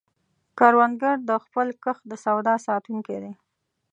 کروندګر د خپل کښت د سواد ساتونکی دی